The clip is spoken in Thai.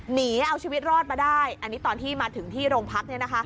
หนีเอาชีวิตรอดมาได้อันนี้ตอนที่มาถึงที่โรงพลักษณ์